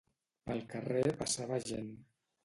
Pel carrer passava gent.